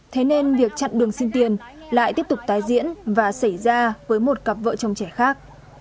thế nên việc chặn đường xin tiền lại tiếp tục tái diễn và xảy ra với một cặp vợ chồng trẻ khác